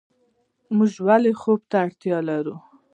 موږ ولې خوب ته اړتیا لرو